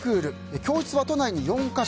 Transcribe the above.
教室は都内に４か所。